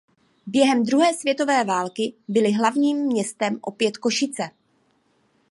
Během druhé světové války byly hlavním městem opět Košice.